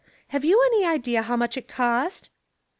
Have you any idea how much it cost?